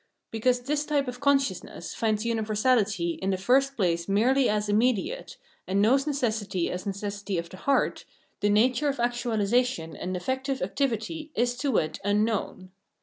Because this type of consciousness finds universahty in the first place merely as immediate, and knows necessity as necessity of the heart, the nature of actuahsation and effective activity is to it unknown.